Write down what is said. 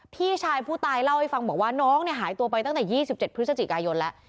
พี่ชายผู้ตายเล่าให้ฟังบอกว่าน้องหายตัวไปตั้งแต่๒๗พฤศจิกายนแล้ว